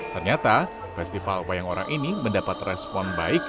ternyata festival wayang orang ini mendapat respon baik